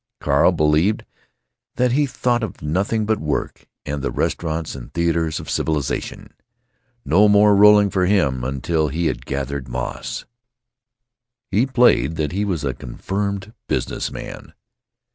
Carl believed that he thought of nothing but work and the restaurants and theaters of civilization. No more rolling for him until he had gathered moss! He played that he was a confirmed business man.